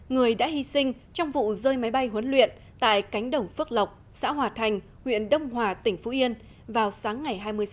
người đã hi sinh trong vụ tấn công